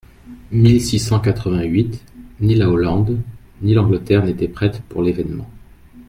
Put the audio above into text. mille six cent quatre-vingt-huit Ni la Hollande, ni l'Angleterre, n'étaient prêtes pour l'événement.